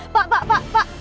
pak pak pak pak